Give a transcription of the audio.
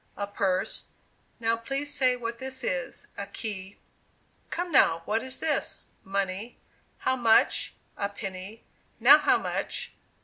a purse; "Now please say what this is?" a key; "Come now, what is this?" money; "How much?" a penny; "Now how much?"